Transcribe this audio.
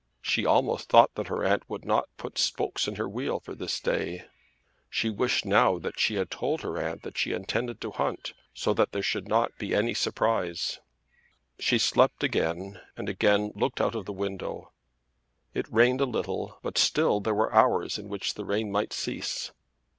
She almost thought that her aunt would not put spokes in her wheel for this day. She wished now that she had told her aunt that she intended to hunt, so that there need not be any surprise. She slept again and again looked out of the window. It rained a little but still there were hours in which the rain might cease.